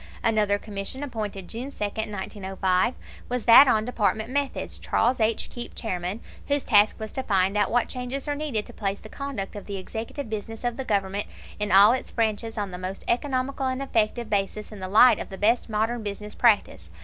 Another Commission, appointed June 2, 1905, was that on Department Methods Charles H. Keep, Chairman whose task was to "find out what changes are needed to place the conduct of the executive business of the Government in all its branches on the most economical and effective basis in the light of the best modern business practice."